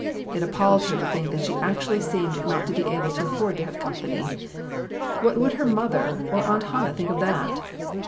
It appalled her to think that she actually seemed not to be able to afford to have company. What would her mother or Aunt Hannah think of that